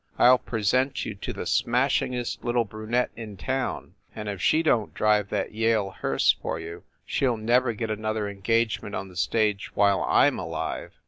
I ll present you to the smashingest little brunette in town, and if she don t drive that Yale hearse for you, she ll never get another engagement on the stage while I m alive!"